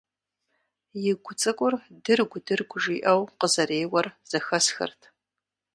И гу цӀыкӀур «дыргу-дыргу» жиӀэу къызэреуэр зэхэсхырт.